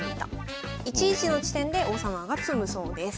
１一の地点で王様が詰むそうです。